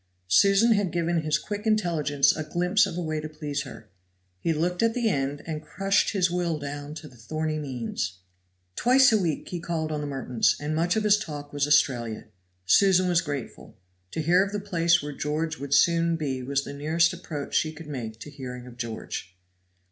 Susan had given his quick intelligence a glimpse of a way to please her. He looked at the end, and crushed his will down to the thorny means. Twice a week he called on the Mertons, and much of his talk was Australia. Susan was grateful. To hear of the place where George would soon be was the nearest approach she could make to hearing of George.